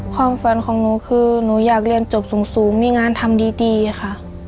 ความฝันของหนูคือหนูอยากเรียนจบสูงมีงานทำดีค่ะ